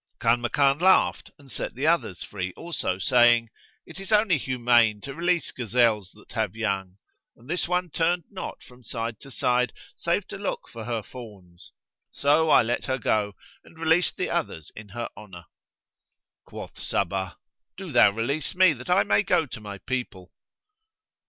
Kanmakan laughed and set the others free also, saying, "It is only humane to release gazelles that have young, and this one turned not from side to side, save to look for her fawns: so I let her go and released the others in her honour." Quoth Sabbah, "Do thou release me, that I may go to my people."